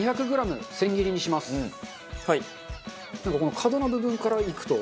角の部分からいくと。